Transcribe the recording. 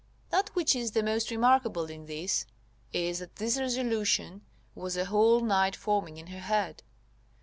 That which is the most remarkable in this is, that this resolution was a whole night forming in her head.